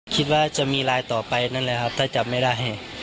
คิดว่าจะมีลายต่อไปนั่นแหละครับถ้าจำไม่ได้